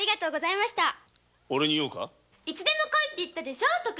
いつでも来いって言ったでしょ？